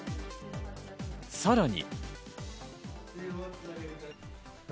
さらに。